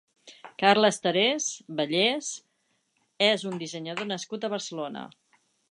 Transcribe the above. Carles Terès Bellès és un dissenyador nascut a Barcelona.